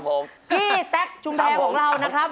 พี่แซคชุมแพรของเรานะครับ